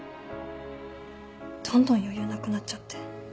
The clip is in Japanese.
どんどん余裕なくなっちゃって。